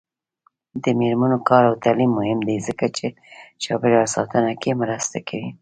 د میرمنو کار او تعلیم مهم دی ځکه چې چاپیریال ساتنه کې مرسته کوي.